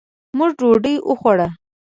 موږ ډوډۍ وخوړه.